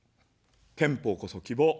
憲法こそ希望。